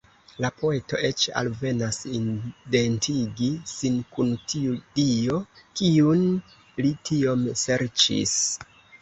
La poeto eĉ alvenas identigi sin kun tiu dio, kiun li tiom serĉis.